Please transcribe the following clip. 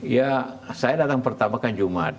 ya saya datang pertama kan jumat